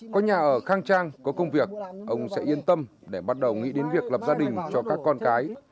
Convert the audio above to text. có nhà ở khang trang có công việc ông sẽ yên tâm để bắt đầu nghĩ đến việc lập gia đình cho các con cái